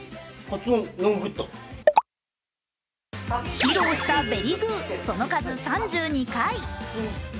披露した「ベリグー」、その数３２回。